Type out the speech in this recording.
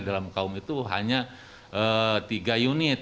dalam kaum itu hanya tiga unit